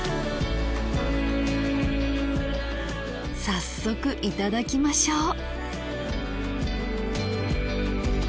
早速頂きましょう。